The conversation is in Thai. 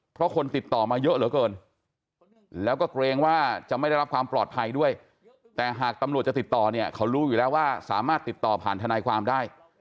เพราะคนติดต่อมาเยอะเหลือเกินแล้วก็เกรงว่าจะไม่ได้รับความปลอดภัยด้วยแต่หากตำรวจจะติดต่อเนี่ยเขารู้อยู่แล้วว่าสามารถติดต่อผ่านทนายความได้